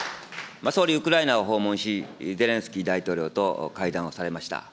総理、ウクライナを訪問し、ゼレンスキー大統領と会談をされました。